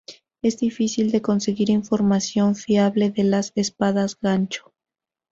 Es difícil de conseguir información fiable de las espadas gancho.